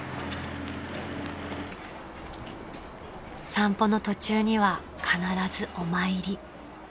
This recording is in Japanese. ［散歩の途中には必ずお参り］